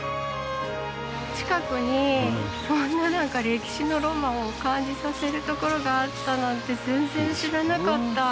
近くにそんな何か歴史のロマンを感じさせるところがあったなんて全然知らなかった。